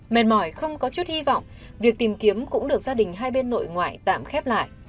mệt mỏi không có chút hy vọng việc tìm kiếm cũng được gia đình hai bên nội ngoại tạm khép lại